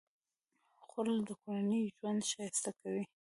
خوړل د کورنۍ ژوند ښایسته کوي